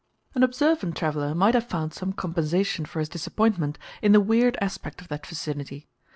An observant traveler might have found some compensation for his disappointment in the weird aspect of that vicinity.